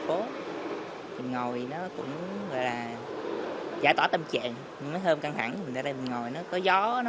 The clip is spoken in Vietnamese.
phố ngồi nó cũng gọi là giả tỏ tâm trạng mấy hôm căng thẳng mình ra đây mình ngồi nó có gió nó